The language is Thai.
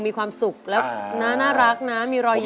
มีความสุขแล้วน่ารักนะมีรอยยิ้ม